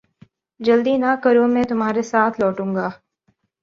جلدی نہ کرو میں تمھارے ساتھ لوٹوں گا